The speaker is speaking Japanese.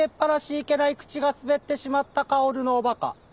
いけない口が滑ってしまった薫のお馬鹿。